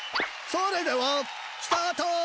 それではスタート！